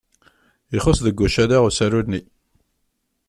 Ixuṣṣ deg ucala usaru-nni.